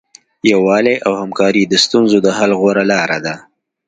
یووالی او همکاري د ستونزو د حل غوره لاره ده.